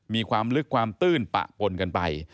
มีความลึกความตื้นปะปนกันไป